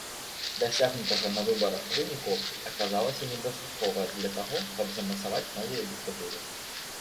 Дасягнутага на выбарах выніку аказалася недастаткова для таго, каб замацаваць новую дыктатуру.